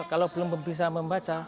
kalau belum bisa membaca